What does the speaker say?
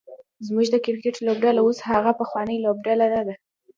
زمونږ د کرکټ لوبډله اوس هغه پخوانۍ لوبډله نده